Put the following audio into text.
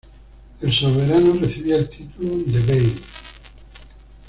El soberano recibía el título de bey.